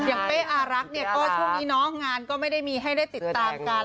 เป้อารักษ์เนี่ยก็ช่วงนี้เนาะงานก็ไม่ได้มีให้ได้ติดตามกัน